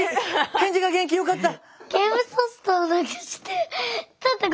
返事が元気よかった！